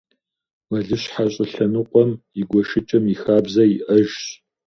Мэлыщхьэ щӏылъэныкъуэм и гуэшыкӏэм и хабзэ иӏэжщ.